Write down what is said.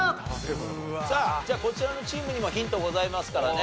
さあじゃあこちらのチームにもヒントございますからね